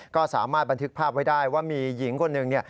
ก็สามารถบันทึกภาพไว้ได้ว่ามีหญิงคนหนึ่ง